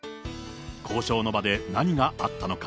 交渉の場で何があったのか。